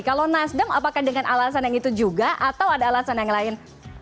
kalau nasdem apakah dengan alasan yang itu juga atau ada alasan yang lain